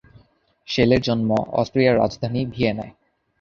শেলের জন্ম অস্ট্রিয়ার রাজধানী ভিয়েনায়।